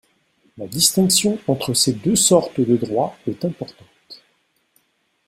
La distinction entre ces deux sortes de droits est importante.